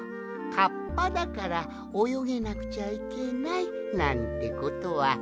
カッパだからおよげなくちゃいけないなんてことはないんじゃ。